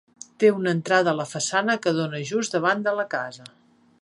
Té una entrada a la façana que dóna just davant de la casa.